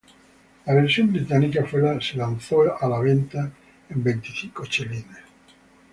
La versión británica fue lanzada a la venta en veinticinco chelines.